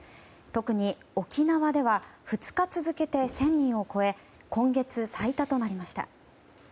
特に沖縄では２日続けて１０００人を超え今月最多となりました。